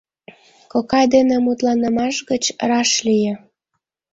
Кокай дене мутланымаш гыч раш лие.